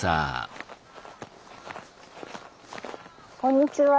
こんにちは。